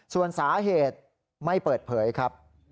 ส่วนสาเหตุไม่เปิดเผยครับ